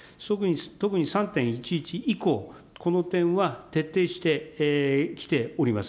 特に３・１１以降、この点は徹底してきております。